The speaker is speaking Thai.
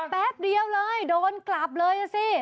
แป๊บเดียวเลยโดนกลับเลยอ่ะสิ